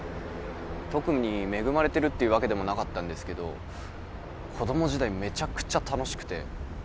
特に恵まれてるっていうわけでもなかったんですけど子供時代めちゃくちゃ楽しくて。